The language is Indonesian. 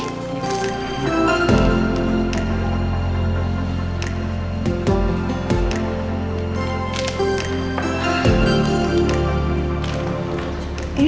ini dari siapa